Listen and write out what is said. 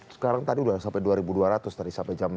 sekarang tadi sudah sampai dua ribu dua ratus